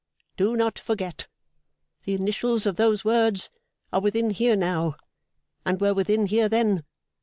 "Do not forget." The initials of those words are within here now, and were within here then.